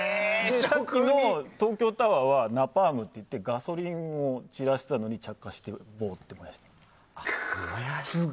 東京タワーはナパームっていってガソリンを散らしたのに着火して、ボーッてなってました。